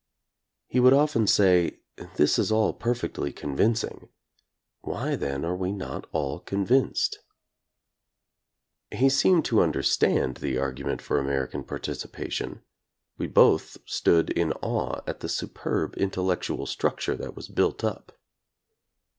He would often say, This is all perfectly convincing; why, then, are we not all convinced'? He seemed to understand the argu ment for American participation. We both stood in awe at the superb intellectual structure that was built up.